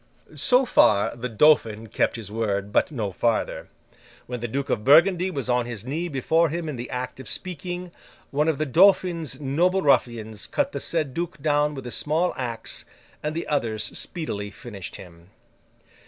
So far the Dauphin kept his word, but no farther. When the Duke of Burgundy was on his knee before him in the act of speaking, one of the Dauphin's noble ruffians cut the said duke down with a small axe, and others speedily finished him.